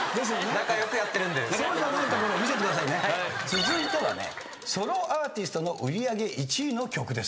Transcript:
続いてはねソロアーティストの売り上げ１位の曲です。